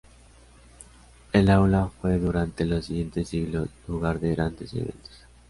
El Aula fue durante los siguientes siglos lugar de grandes eventos.